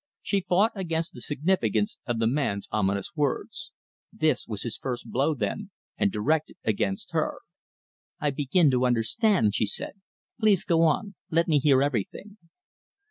She fought against the significance of the man's ominous words. This was his first blow, then, and directed against her. "I begin to understand," she said. "Please go on. Let me hear everything."